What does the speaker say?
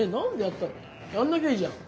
やんなきゃいいじゃん。